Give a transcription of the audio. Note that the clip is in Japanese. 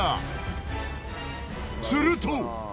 すると。